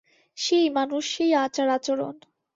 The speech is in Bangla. সেই মানুষ, সেই আচার-আচরণ।